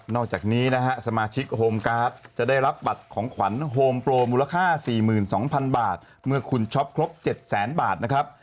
อกจากนี้นะฮะสมาชิกโฮมการ์ดจะได้รับบัตรของขวัญโฮมโปรมูลค่า๔๒๐๐๐บาทเมื่อคุณช็อปครบ๗แสนบาทนะครับ